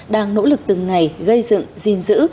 đang nỗ lực từng ngày gây dựng gìn giữ